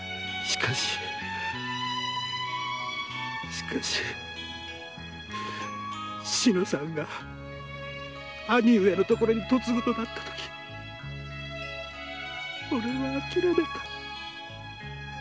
しかし志乃さんが兄上のところに嫁ぐとなったとき俺は諦めた。